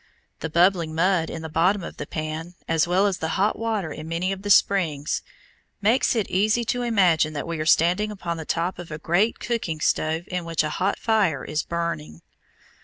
The bubbling mud in the bottom of the pan, as well as the hot water in many of the springs, makes it easy to imagine that we are standing upon the top of a great cooking stove in which a hot fire is burning.